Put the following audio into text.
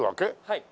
はい。